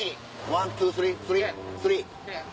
ワンツースリー？